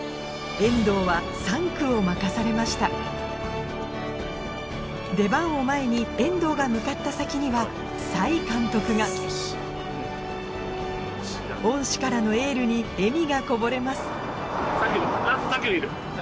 遠藤は３区を任されました出番を前に遠藤が向かった先には齋監督が恩師からのエールに笑みがこぼれます